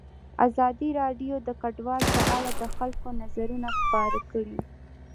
ازادي راډیو د کډوال په اړه د خلکو نظرونه خپاره کړي.